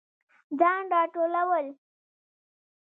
ځان راټولول